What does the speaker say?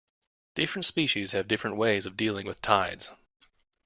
Different species have different ways of dealing with tides.